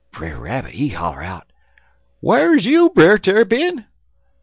Brer Rabbit, he holler out: "'Whar is you, Brer Tarrypin?'